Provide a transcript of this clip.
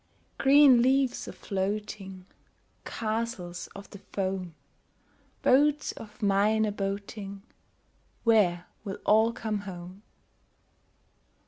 Green leaves a floating, Castles of the foam, Boats of mine a boating— Where will all come home?